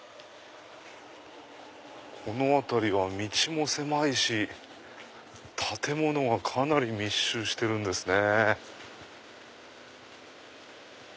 この辺りは道も狭いし建物がかなり密集してるんですね。